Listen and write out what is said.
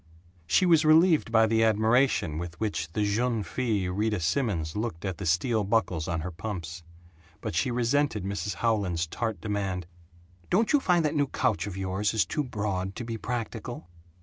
She was relieved by the admiration with which the jeune fille Rita Simons looked at the steel buckles on her pumps; but she resented Mrs. Howland's tart demand, "Don't you find that new couch of yours is too broad to be practical?"